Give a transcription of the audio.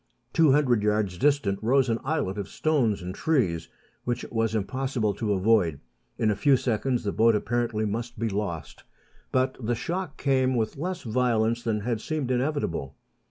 Two hundred yards distant rose an islet of stones and trees, which it was impossible to avoid. In a few seconds the boat apparently must be lost ; but the shock came with less violence than had seemed inevitable.